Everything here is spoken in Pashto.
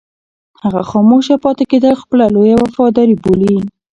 هغه خاموشه پاتې کېدل خپله لویه وفاداري بولي.